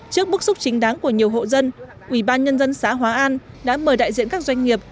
trước bức xúc chính đáng của nhiều hộ dân ubnd xã hóa an đã mời đại diện các doanh nghiệp